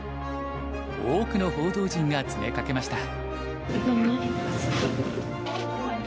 多くの報道陣が詰めかけました。